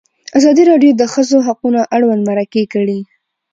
ازادي راډیو د د ښځو حقونه اړوند مرکې کړي.